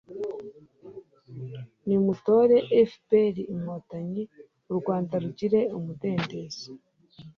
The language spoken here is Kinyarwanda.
nimutore fpr – inkotanyi, u rwanda rugire umudendezo